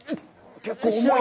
結構重い。